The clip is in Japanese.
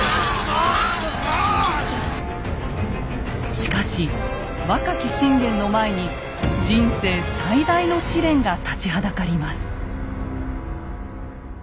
しかし若き信玄の前に人生最大の試練が立ちはだかります。